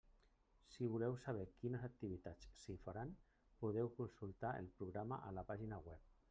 Si voleu saber quines activitats s'hi faran, podeu consultar el programa a la pàgina web.